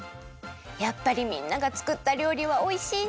やっぱりみんながつくったりょうりはおいしいね！